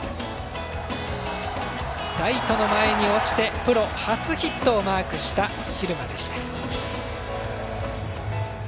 ライトの前に落ちてプロ初ヒットをマークした蛭間でした。